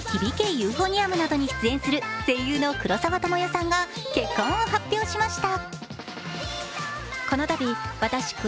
ユーフォニアム」などに出演する声優の黒沢ともよさんが結婚を発表しました。